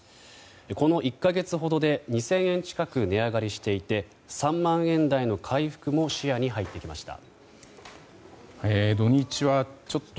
この１か月ほどで２０００円近く値上がりしていて３万円台の回復も視野に入ってきました。